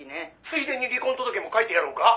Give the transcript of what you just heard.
「ついでに離婚届も書いてやろうか？」